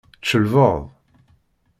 Čelbeḍ.